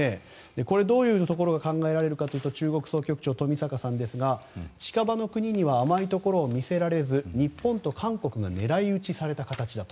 これ、どういうところが考えられるかというと中国総局長、冨坂さんですが近場の国には甘いところを見せられず日本と韓国が狙い撃ちされたと。